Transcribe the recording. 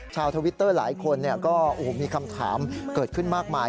ชาวทวิตเตอร์หลายคนเนี่ยก็โอ้โหมีคำถามเกิดขึ้นมากมาย